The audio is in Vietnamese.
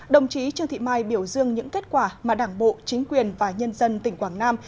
đồng chí trương thị mai biểu dương những kết quả mà đảng bộ chính quyền và nhân dân tỉnh quảng nam